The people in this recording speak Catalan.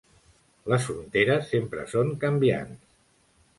Les fronteres sempre són canviants.